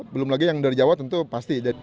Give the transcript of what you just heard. belum lagi yang dari jawa tentu pasti